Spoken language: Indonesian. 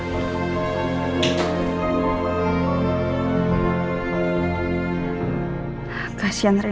dia jadi menyalahkan dirinya sendiri